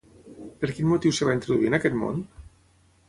Per quin motiu es va introduir en aquest món?